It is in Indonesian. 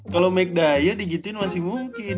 kalo mc dio digituin masih mungkin